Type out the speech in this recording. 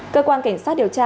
cơ quan cảnh sát điều tra